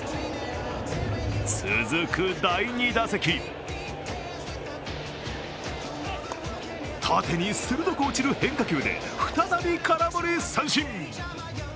続く第２打席縦に鋭く落ちる変化球で再び空振り三振。